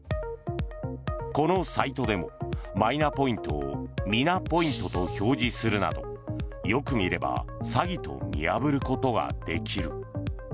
このサイトでもマイナポイントをミナポイントと表示するなどよく見れば詐欺と見破ることができる。